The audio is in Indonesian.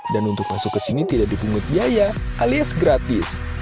dan untuk masuk ke sini tidak dipungut biaya alias gratis